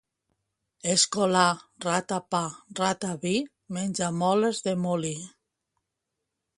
Escolà, rata pa, rata vi, menja moles de molí.